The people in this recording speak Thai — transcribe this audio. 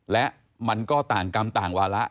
และมันก็ต่างกรรมต่างวาระ